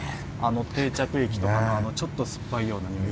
定着液とかのちょっと酸っぱいようなにおい。